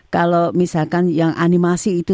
kalau misalkan yang animasi itu